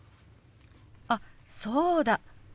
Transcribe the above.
あそうだ。